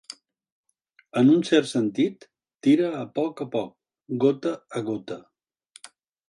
En un cert sentit, tira a poc a poc, gota a gota.